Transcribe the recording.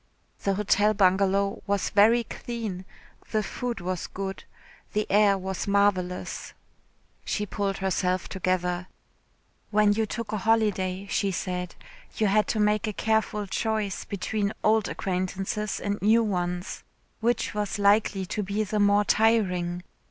The Hotel Bungalow was very clean, the food was good, the air was marvellous.... She pulled herself together. When you took a holiday, she said, you had to make a careful choice between old acquaintances and new ones. Which was likely to be the more tiring?